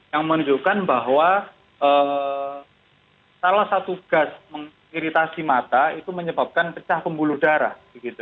yang menunjukkan bahwa salah satu gas mengiritasi mata itu menyebabkan pecah pembuluh darah